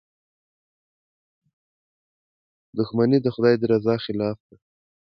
• دښمني د خدای د رضا خلاف ده.